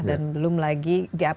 dan belum lagi gap